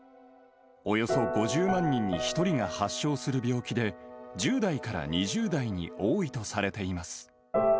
およそ５０万人に１人が発症する病気で、１０代から２０代に多いとされています。